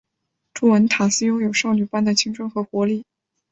朱文塔斯拥有少女般的青春和活力。